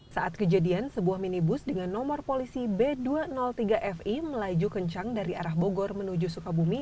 saat kejadian sebuah minibus dengan nomor polisi b dua ratus tiga fi melaju kencang dari arah bogor menuju sukabumi